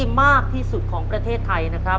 คุณยายแจ้วเลือกตอบจังหวัดนครราชสีมานะครับ